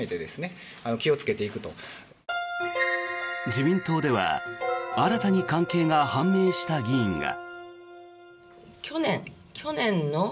自民党では新たに関係が判明した議員が。